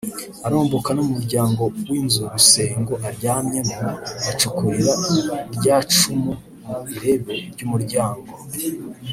Aromboka no mu muryango w’ inzu Rusengo aryamyemo acukurira rya cumu mu irebe ry ‘umuryango